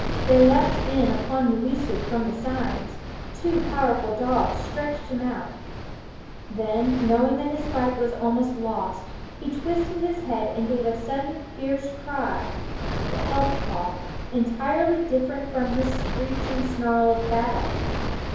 They leaped in upon Mooweesuk from the sides; two powerful dogs stretched him out; then, knowing that his fight was almost lost, he twisted his head and gave a sudden fierce cry, the help call, entirely different from his screech and snarl of battle.